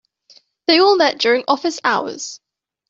They all met during office hours.